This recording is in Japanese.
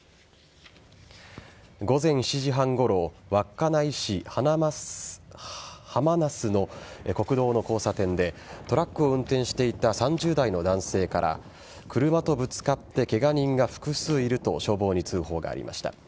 午前７時半ごろ稚内市はまなすの国道の交差点でトラックを運転していた３０代の男性から車とぶつかってケガ人が複数いると消防に通報がありました。